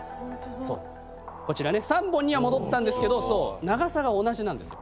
そうこちらね３本には戻ったんですけど長さが同じなんですよ。